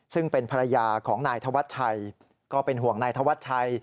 ซึ่งเป็นภรรยาของนายธวัชชัยก็เป็นห่วงนายธวัชชัย